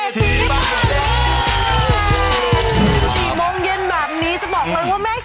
กี่โมงเย็นแบบนี้จะบอกเราก็แม่หิวมาก